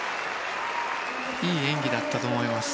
いい演技だったと思います。